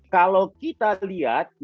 kalau kita lihat yang meninggal